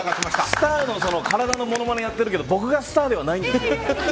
スターの体のものまねやってるけど僕がスターではないんです。